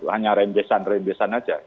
hanya rembesan rembesan aja